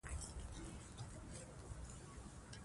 احمدشاه بابا د پوهانو ملاتړ کاوه.